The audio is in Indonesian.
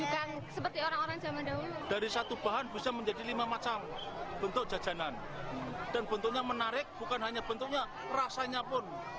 dan bentuknya menarik bukan hanya bentuknya rasanya pun